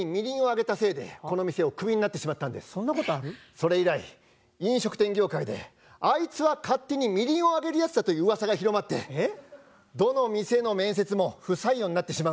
それ以来飲食店業界であいつは勝手にみりんをあげるやつだといううわさが広まってどの店の面接も不採用になってしまうんです。